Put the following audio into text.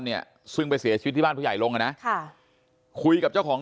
เนี่ยซึ่งไปเสียชีวิตที่บ้านผู้ใหญ่ลงอ่ะนะค่ะคุยกับเจ้าของ